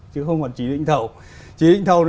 chứ không còn chỉ định thầu